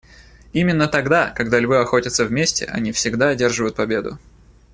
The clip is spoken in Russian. Именно тогда, когда львы охотятся вместе, они всегда одерживают победу.